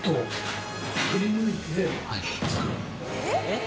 えっ？